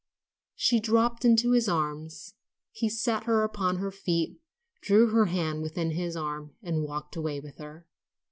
She dropped into his arms, he set her upon her feet, drew her hand within his arm, and walked away with her.